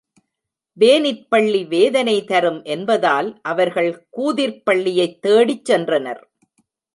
வேனிற்பள்ளி வேதனை தரும் என்பதால் அவர்கள் கூதிர்ப் பள்ளியைத் தேடிச் சென்றனர்.